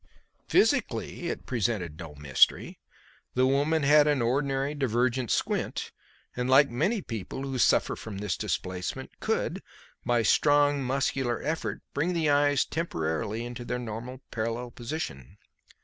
Physically it presented no mystery. The woman had an ordinary divergent squint, and, like many people, who suffer from this displacement, could, by a strong muscular effort, bring the eyes temporarily into their normal parallel position.